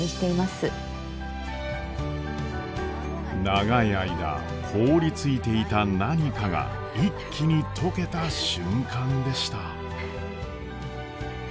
長い間凍りついていた何かが一気に解けた瞬間でした。